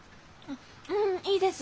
ううんいいです。